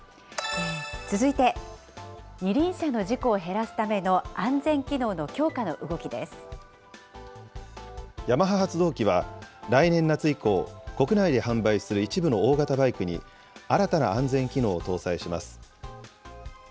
続いて、二輪車の事故を減らすための安全機能の強化の動きでヤマハ発動機は、来年夏以降、国内で販売する一部の大型バイクに、新たな安全機能を搭載します。